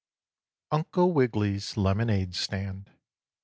out Uncle Wiggily's Lemonade Stand.